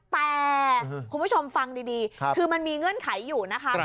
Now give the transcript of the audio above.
แต่คุณผู้ชมฟังดีคือมันมีเงื่อนไขอยู่นะคะ